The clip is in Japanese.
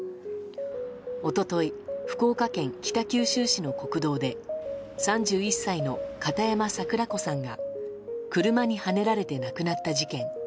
一昨日、福岡県北九州市の国道で３１歳の片山桜子さんが車にはねられて亡くなった事件。